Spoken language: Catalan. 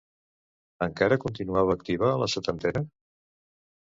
Encara continuava activa a la setantena?